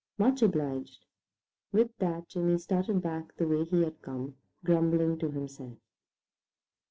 Much obliged." With that Jimmy started back the way he had come, grumbling to himself.